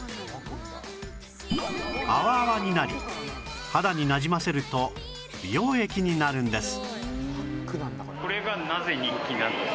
アワアワになり肌になじませると美容液になるんです